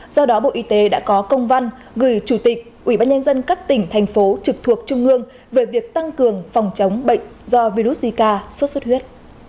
do đó bộ y tế đã có công văn gửi chủ tịch ủy ban nhân dân các tỉnh thành phố trực thuộc trung ương về việc tăng cường phòng chống bệnh do virus zika xuất xuất huyết